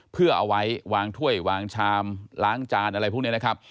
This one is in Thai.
เพื่อเอาไว้วางถ้วยวางชามล้างจานอะไรพวกนี้นะครับ